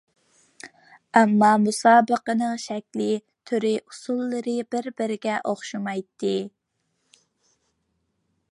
ئەمما مۇسابىقىنىڭ شەكلى، تۈرى، ئۇسۇللىرى بىر-بىرىگە ئوخشىمايتتى.